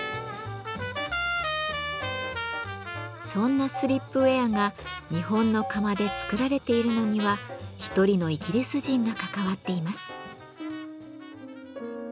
そんなスリップウェアが日本の窯で作られているのには一人のイギリス人が関わっています。